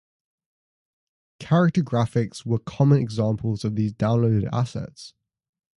Character graphics were a common example of these downloaded sets.